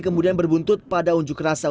kemudian berbuntut pada unjuk rasa